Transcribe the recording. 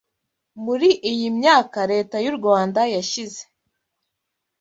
Muri iyi myaka Leta y’u Rwanda yashyize